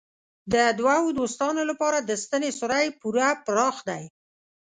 د دوو دوستانو لپاره د ستنې سوری پوره پراخ دی.